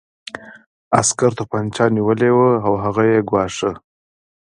عسکر توپانچه نیولې وه او هغه یې ګواښه